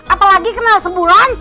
apalagi kenal sebulan